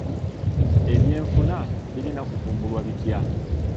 Ebyenfuna birina kutumbulwa bitya?